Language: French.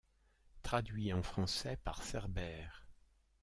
Traduit en français par cérbère.